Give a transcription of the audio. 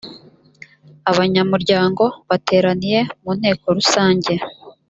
abanyamuryango bateraniye mu nteko rusange